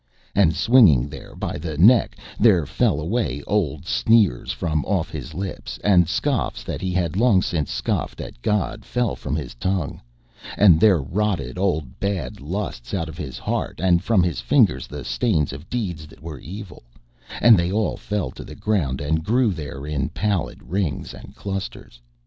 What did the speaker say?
And swinging there by the neck, there fell away old sneers from off his lips, and scoffs that he had long since scoffed at God fell from his tongue, and there rotted old bad lusts out of his heart, and from his fingers the stains of deeds that were evil; and they all fell to the ground and grew there in pallid rings and clusters.